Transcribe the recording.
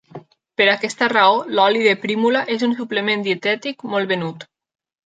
Per aquesta raó l'oli de prímula és un suplement dietètic molt venut.